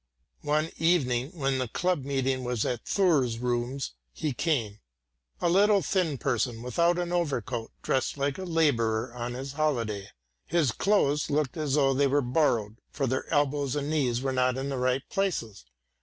One evening when the club meeting was at Thurs' rooms he came a little thin person, without an overcoat, dressed like a labourer on his holiday. His clothes looked as though they were borrowed, for their elbows and knees were not in the right places.